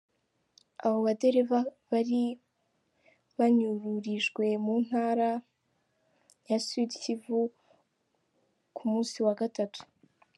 Abo badereva bari banyururijwe mu ntara ya Sud Kivu ku musi wa gatatu.